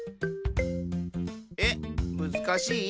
えっ？むずかしい？